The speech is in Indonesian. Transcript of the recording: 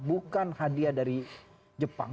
bukan hadiah dari jepang